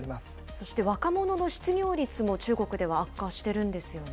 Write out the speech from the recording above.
そして若者の失業率も中国では悪化してるんですよね。